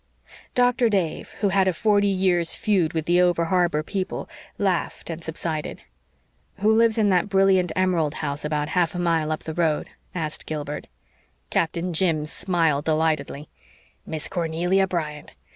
Doctor Dave, who had a forty years' feud with the over harbor people, laughed and subsided. "Who lives in that brilliant emerald house about half a mile up the road?" asked Gilbert. Captain Jim smiled delightedly. "Miss Cornelia Bryant.